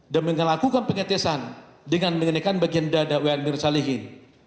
dan melakukan pengetesan dengan mengenai bagian dada mirna salihin